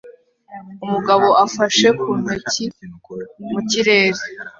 Umugabo afashe ku ntoki mu kirere